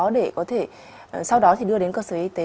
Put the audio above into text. để có thể sau đó thì đưa đến cơ sở y tế